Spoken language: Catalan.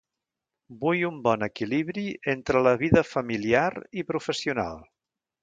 Vull un bon equilibri entre la vida familiar i professional.